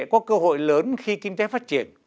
có cơ hội lớn khi kinh tế phát triển